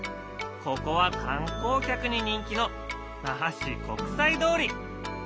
ここは観光客に人気の那覇市国際通り。